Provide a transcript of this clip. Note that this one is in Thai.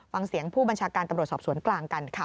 ฟังเสียงผู้บัญชาการตำรวจสอบสวนกลางกันค่ะ